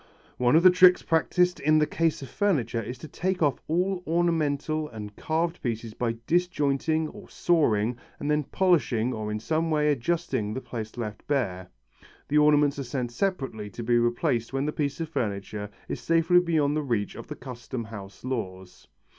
One of the tricks practised in the case of furniture is to take off all ornamental and carved parts by disjointing or sawing and then polishing or in some way adjusting the place left bare. The ornaments are sent separately to be replaced when the piece of furniture is safely beyond the reach of the Custom House laws.